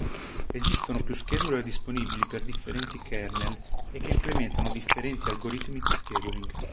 Esistono più scheduler disponibili per differenti kernel e che implementano differenti algoritmi di scheduling.